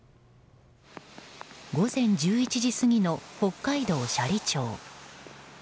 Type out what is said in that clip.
午前１１時過ぎの北海道斜里町。